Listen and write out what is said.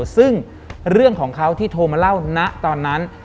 ซึ่งเรื่องของเขาที่โทรมาเล่านะตอนนั้น